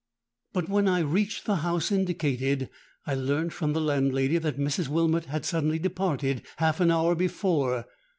But when I reached the house indicated, I learnt from the landlady that Mrs. Wilmot had suddenly departed half an hour before.